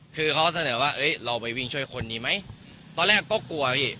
คือเขาเสนอว่าเราไปวิ่งช่วยคนดีไหมตอนแรกก็กลัวพี่